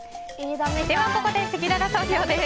ここでせきらら投票です。